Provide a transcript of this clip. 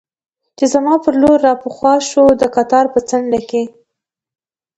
چې زما پر لور را په هوا شو، د قطار په څنډه کې.